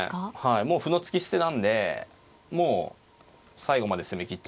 もう歩の突き捨てなんでもう最後まで攻めきっ